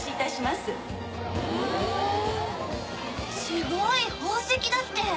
すごい！宝石だって。